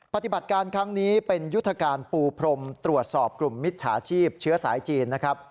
ปฏิบัติการครั้งนี้เป็นยุทธการปูพรมตรวจสอบกลุ่มมิจฉาชีพเชื้อสายจีนนะครับ